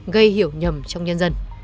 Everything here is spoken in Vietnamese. gây hiểu nhầm trong nhân dân